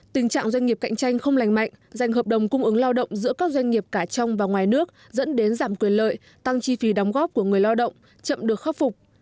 giữa các doanh nghiệp cả trong và ngoài nước dẫn đến giảm quyền lợi tăng chi phí đóng góp của người lao động chậm được khắc phục